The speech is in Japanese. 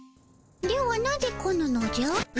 ではなぜ来ぬのじゃ？